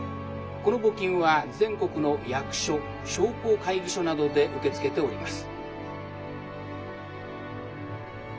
この募金は全国の役所商工会議所などで受け付けております」。